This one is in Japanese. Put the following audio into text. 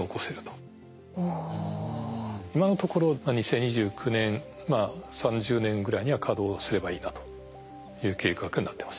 今のところ２０２９年２０３０年ぐらいには稼働すればいいなという計画になってます。